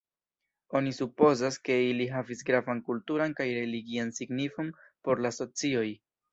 Oni supozas, ke ili havis gravan kulturan kaj religian signifon por la socioj.